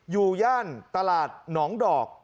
อยู่ย่านตลาดหนองดอก